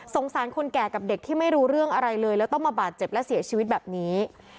สารคนแก่กับเด็กที่ไม่รู้เรื่องอะไรเลยแล้วต้องมาบาดเจ็บและเสียชีวิตแบบนี้